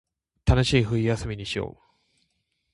楽しい冬休みにしましょう